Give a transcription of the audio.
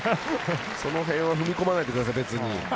その辺は踏み込まないでください、別に。